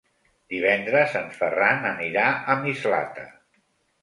Divendres en Ferran anirà a Mislata.